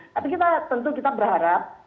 tapi kita tentu kita berharap